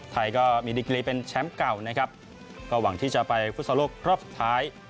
ไทยก็มีดีกรีเป็นแชมป์เก่านะครับก็หวังที่จะไปฟุตซอลโลกรอบสุดท้าย